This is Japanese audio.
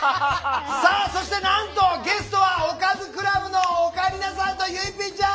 さあそしてなんとゲストはおかずクラブのオカリナさんとゆいＰちゃん！